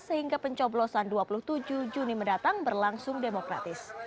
sehingga pencoblosan dua puluh tujuh juni mendatang berlangsung demokratis